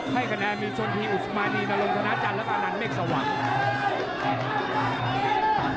ให้คะแนนมีชนภีร์อุศมานีนารมธนาจันทร์และปานันเมกสวัสดิ์